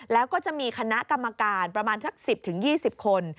แล้วก็จะมีคณะกรรมการประมาณสัก๑๐๒๐คน